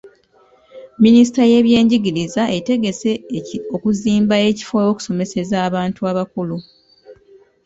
Minisitule y'ebyenjigiriza etegese okuzimba ekifo ew'okusomeseza abantu abakulu.